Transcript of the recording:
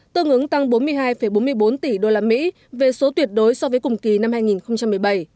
tương ứng tăng bốn mươi hai bốn mươi bốn tỷ đô la mỹ về số tuyệt đối so với cùng kỳ năm hai nghìn một mươi bảy